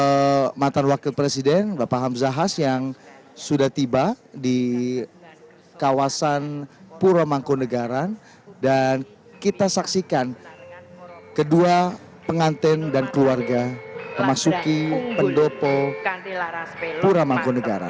ini mantan wakil presiden bapak hamzahas yang sudah tiba di kawasan pura mangku negara dan kita saksikan kedua pengantin dan keluarga masuki pendopo pura mangku negara